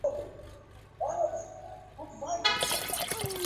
অত্যন্ত দুঃখের বিষয় স্বামীজীর বক্তৃতাবলীর অধিকাংশই আশানুরূপভাবে লিপিবদ্ধ হয় নাই।